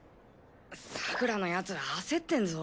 さくらのやつ焦ってんぞ。